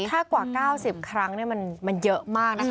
ถ้ากว่า๙๐ครั้งมันเยอะมากนะคะ